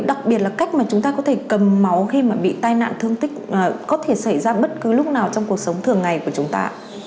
đặc biệt là cách mà chúng ta có thể cầm máu khi mà bị tai nạn thương tích có thể xảy ra bất cứ lúc nào trong cuộc sống thường ngày của chúng ta